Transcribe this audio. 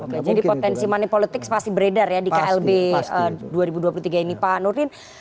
oke jadi potensi money politics pasti beredar ya di klb dua ribu dua puluh tiga ini pak nurdin